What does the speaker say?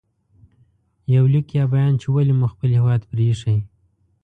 • یو لیک یا بیان چې ولې مو خپل هېواد پرې ایښی